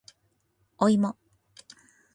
おいも